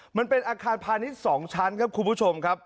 มันเป็นอาคารพาณิชส์๒ชั้นครับ